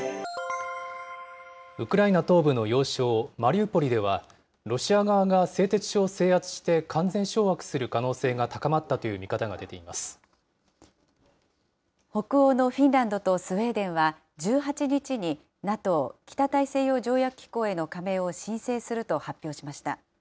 ウクライナ東部の要衝マリウポリでは、ロシア側が製鉄所を制圧して完全掌握する可能性が高まったという北欧のフィンランドとスウェーデンは、１８日にＮＡＴＯ・北大西洋条約機構への加盟を申請すると発表しました。